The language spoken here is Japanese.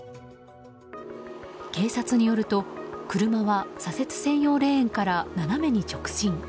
警察によると、車は左折専用レーンから斜めに直進。